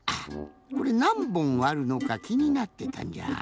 これなんぼんあるのかきになってたんじゃ。